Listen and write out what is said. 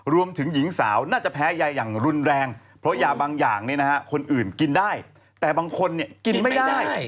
รวมถึงหญิงสาวน่าจะแพ้ยายอย่างรุนแรงเพราะว่ายาบางอย่างเนี่ยนะครับคนอื่นกินได้แต่บางคนเนี่ยกินไม่ได้